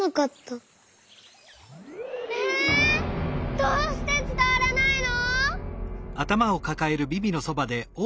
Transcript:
どうしてつたわらないの？